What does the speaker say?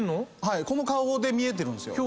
この顔で見えてるんですよ。